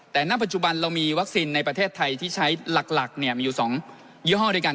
แต่ณปัจจุบันเรามีวัคซีนในประเทศไทยที่ใช้หลักมีอยู่๒ยี่ห้อด้วยกัน